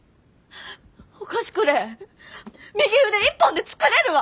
お菓子くれえ右腕一本で作れるわ！